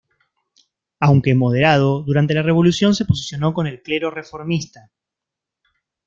Aunque moderado, durante la revolución se posicionó con el clero reformista.